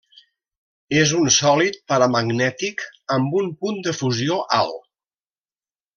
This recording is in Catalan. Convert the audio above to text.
És un sòlid paramagnètic amb un punt de fusió alt.